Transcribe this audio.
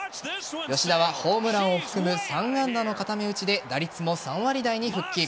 吉田はホームランを含む３安打の固め打ちで打率も３割台に復帰。